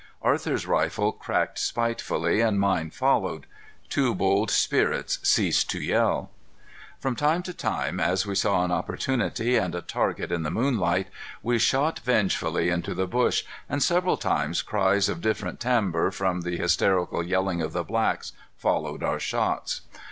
Arthur's rifle cracked spitefully, and mine followed. Two bold spirits ceased to yell. From time to time, as we saw an opportunity and a target in the moonlight, we shot vengefully into the bush, and several times cries of different timbre from the hysterical yelling of the blacks followed our shots.